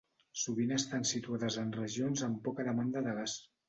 Sovint estan situades en regions amb poca demanda de gas.